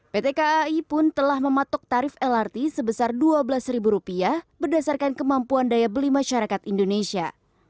pt kai pun telah mematok tarif lrt sebesar rp dua belas berdasarkan kemampuan daya beli masyarakat indonesia